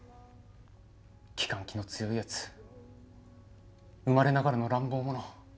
きかん気の強いやつ生まれながらの乱暴者。